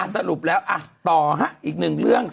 สรุปแล้วต่อฮะอีกหนึ่งเรื่อง